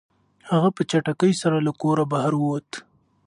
هغه په چټکۍ سره له کوره بهر ووت.